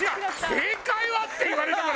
「正解は？」って言われたから。